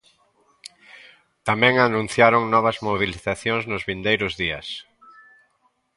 Tamén anunciaron novas mobilizacións nos vindeiros días.